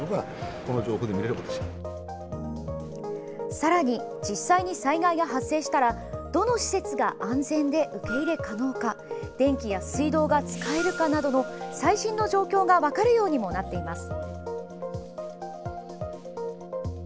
さらに実際に災害が発生したらどの施設が安全で受け入れ可能か電気や水道が使えるかなどの最新の状況が分かるようにもなっています。